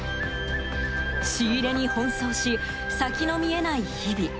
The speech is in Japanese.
仕入れに奔走し先の見えない日々。